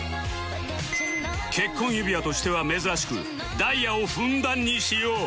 結婚指輪としては珍しくダイヤをふんだんに使用